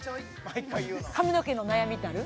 髪の毛の悩みってある？